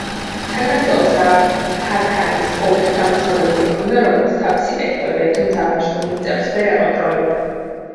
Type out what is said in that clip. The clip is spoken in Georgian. საქართველოს ზაქათალის ოლქი გამოცხადებული ჰქონდა როგორც თავისი ტერიტორია, თუმცა აღნიშნულ მიწებს ვერ აკონტროლებდა.